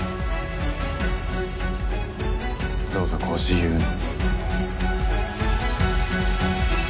どうぞご自由に。